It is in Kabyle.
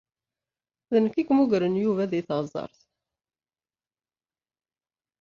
D nekk i yemmugren Yuba deg teɣsert.